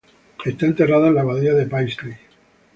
Está enterrada en la abadía de Paisley.